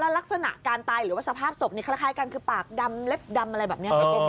ลักษณะการตายหรือว่าสภาพศพนี้คล้ายกันคือปากดำเล็บดำอะไรแบบนี้